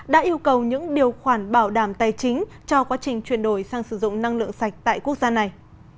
đã yêu cầu những điều khoản bảo đảm tài chính cho quá trình chuyển đổi sang sử dụng năng lượng sạch tại quốc gia này